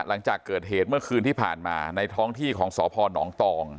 หลังจากเกิดเหตุเมื่อคืนที่ผ่านมาในท้องที่ของสพนตอง